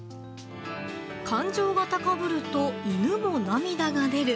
感情が高ぶると犬も涙が出る。